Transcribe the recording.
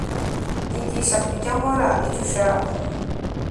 nyigisha kujya nkora icyo ushaka